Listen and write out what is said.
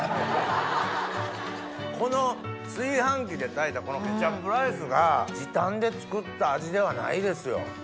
この炊飯器で炊いたこのケチャップライスが時短で作った味ではないですよ。